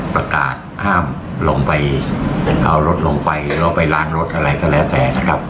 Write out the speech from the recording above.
ประกาศห้ามลงไปเอารถลงไปหรือว่าไปล้างรถอะไรก็แล้วแต่นะครับ